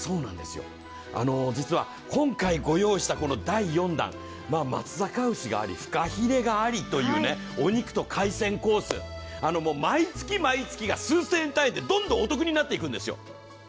実は今回ご用意した第４弾、松阪牛があり、ふかひれがあり、お肉と海鮮コース、毎月毎月が数千円単位でどんどんお得になっていくんですよ。